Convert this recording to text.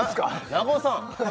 中尾さん！